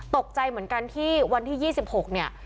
ตกใจเหมือนกันที่วันที่๒๖เนี่ย